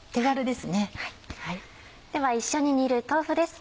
では一緒に煮る豆腐です。